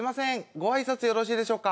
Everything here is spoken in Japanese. ごあいさつよろしいでしょうか？